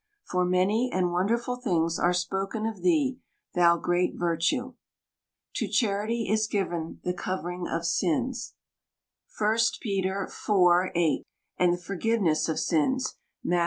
For many and wonderful things are spoken of thee, thou great virtue. To charity is given the covering of sins (1 Pet. iv. 8), and the forgiveness of sins (Matt.